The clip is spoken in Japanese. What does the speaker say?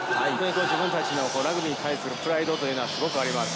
自分たちのラグビーに対するプライドがすごくあります。